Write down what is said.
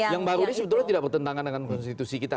yang baru ini sebetulnya tidak bertentangan dengan konstitusi kita